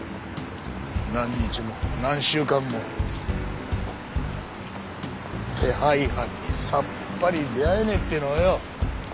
何日も何週間も手配犯にさっぱり出会えねえっていうのはよ。